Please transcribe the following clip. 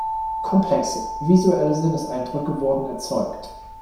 Komplexe, visuelle Sinneseindrücke wurden erzeugt.